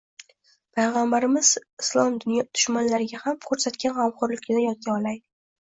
Payg‘ambarimiz islom dushmanlariga ham ko‘rsatgan g‘amxo‘rlikni yodga olaylik